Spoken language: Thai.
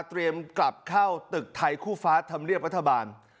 กลับเข้าตึกไทยคู่ฟ้าธรรมเนียบรัฐบาล